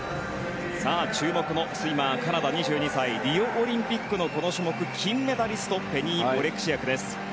注目のスイマーカナダの２２歳リオオリンピックのこの種目、金メダリストペニー・オレクシアクです。